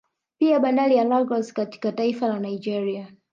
Pia bandari ya Lagos katika taifa la Nigeria